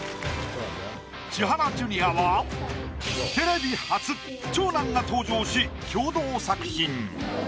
千原ジュニアはテレビ初長男が登場し共同作品。